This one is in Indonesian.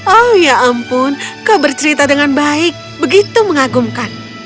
oh ya ampun kau bercerita dengan baik begitu mengagumkan